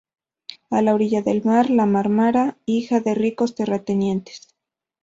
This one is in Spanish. A la orilla del Mar de Marmara, hija de ricos terratenientes.